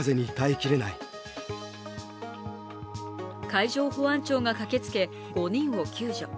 海上保安庁が駆けつけ、５人を救助。